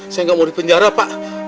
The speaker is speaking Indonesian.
saya nggak mau dipenjara pak